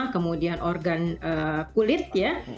kemudian organ kulit